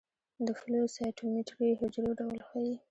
د فلو سايټومېټري حجرو ډول ښيي.